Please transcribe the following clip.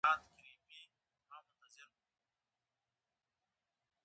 د درملو د حساسیت لپاره اوبه ډیرې وڅښئ